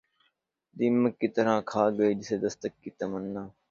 دیمک کی طرح کھا گئی جسے دستک کی تمنا